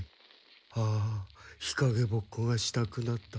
あ日陰ぼっこがしたくなった。